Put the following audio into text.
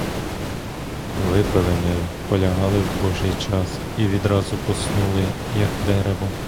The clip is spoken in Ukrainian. Випили ми, полягали в божий час і відразу поснули, як дерево.